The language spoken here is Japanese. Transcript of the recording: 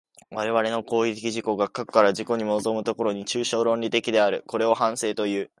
我々の行為的自己が過去から自己に臨む所に、抽象論理的である。これを反省という。